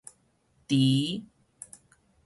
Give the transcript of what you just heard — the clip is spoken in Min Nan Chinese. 池